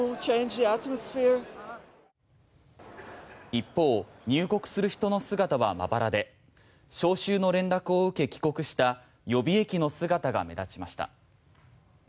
一方入国する人の姿はまばらで招集の連絡を受け帰国した予備役の姿が目立ちました。